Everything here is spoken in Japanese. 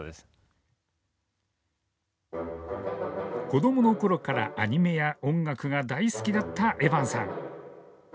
子どものころからアニメや音楽が大好きだったエバンさん。